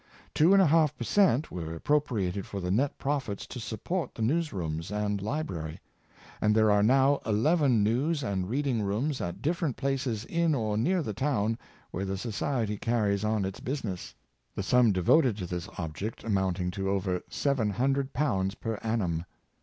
Two and a half per cent, were appropriated from the net profits to support the news rooms and library; and there are now eleven news and reading rooms at different places in or near the town where the society carries on its business; the sum de voted to this object amounting to over seven hundred pounds per annum.